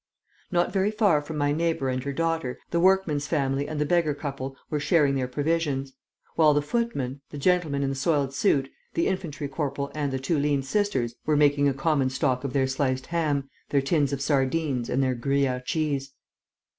Not very far from my neighbour and her daughter, the workman's family and the beggar couple were sharing their provisions; while the footman, the gentleman in the soiled suit, the infantry corporal and the two lean sisters were making a common stock of their sliced ham, their tins of sardines and their gruyère cheese.